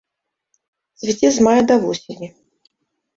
Цвіце з мая да восені.